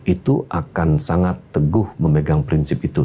itu akan sangat teguh memegang prinsip itu